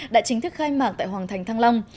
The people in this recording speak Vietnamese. đã chính thức khai mạc tại hoàng thành thăng long